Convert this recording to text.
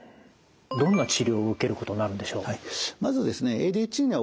どんな治療を受けることになるんでしょう？